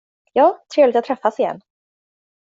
Ja, trevligt att träffas igen.